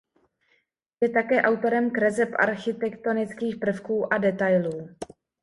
Je také autorem kreseb architektonických prvků a detailů.